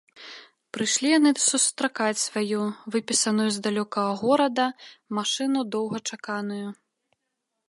Прыйшлі яны сустракаць сваю, выпісаную з далёкага горада, машыну доўгачаканую.